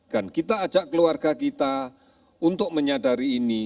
dan kita ajak keluarga kita untuk menyadari ini